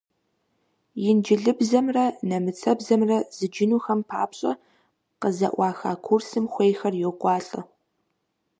Инджылызыбзэмрэ нэмыцэбзэмрэ зыджынухэм папщӀэ къызэӀуаха курсым хуейхэр йокӀуалӀэ.